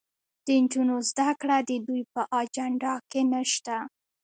د نجونو زدهکړه د دوی په اجنډا کې نشته.